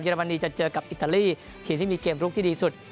รมนีจะเจอกับอิตาลีทีมที่มีเกมลุกที่ดีสุด